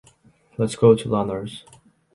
Let’s go to Llanars.